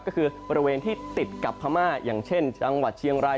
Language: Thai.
ก็คือบริเวณที่ติดกับพม่าอย่างเช่นจังหวัดเชียงราย